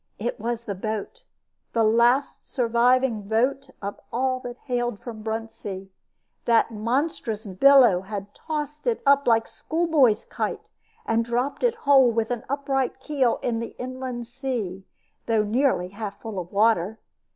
It was the boat, the last surviving boat of all that hailed from Bruntsea. That monstrous billow had tossed it up like a school boy's kite, and dropped it whole, with an upright keel, in the inland sea, though nearly half full of water.